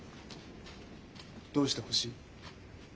どうしてほしい？